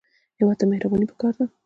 هېواد ته مهرباني پکار ده